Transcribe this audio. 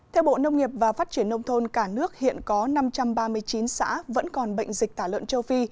theo bộ nông nghiệp và phát triển nông thôn cả nước hiện có năm trăm ba mươi chín xã vẫn còn bệnh dịch tả lợn châu phi